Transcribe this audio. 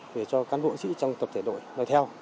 để cho cán bộ trị trong tập thể đội lời theo